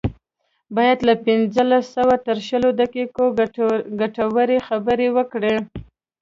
بايد له پنځلسو تر شلو دقيقو ګټورې خبرې وکړي.